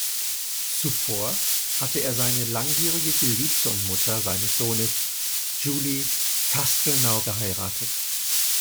Zuvor hatte er seine langjährige Geliebte und Mutter seines Sohnes, Julie Castelnau, geheiratet.